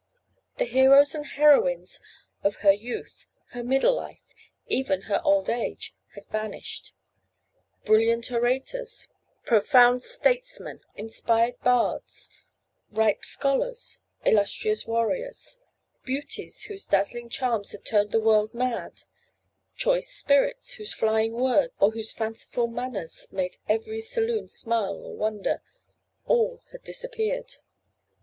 The heroes and heroines of her youth, her middle life, even of her old age, had vanished; brilliant orators, profound statesmen, inspired bards, ripe scholars, illustrious warriors; beauties whose dazzling charms had turned the world mad; choice spirits, whose flying words or whose fanciful manners made every saloon smile or wonder all had disappeared.